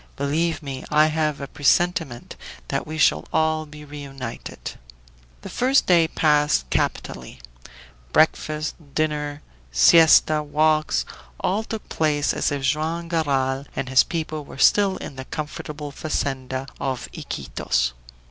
"Believe me, I have a presentiment that we shall all be reunited!" The first day passed capitally; breakfast, dinner, siesta, walks, all took place as if Joam Garral and his people were still in the comfortable fazenda of Iquitos.